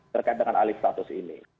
terkait dengan alih status ini